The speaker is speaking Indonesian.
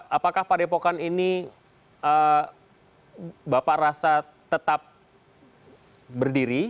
bapak rasa pak depokan ini tetap berdiri